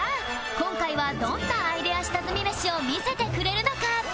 今回はどんなアイデア下積みメシを見せてくれるのか？